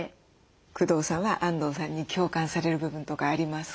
工藤さんはあんどうさんに共感される部分とかありますか？